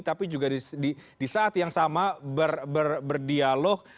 tapi juga di saat yang sama berdialog